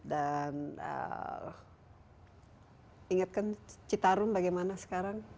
dan ingetkan citarun bagaimana sekarang